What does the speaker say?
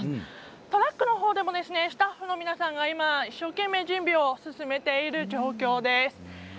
トラックのほうでもスタッフの皆さんが一生懸命準備を進めている状況です。